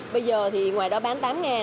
bây giờ thì ngoài đó bán tám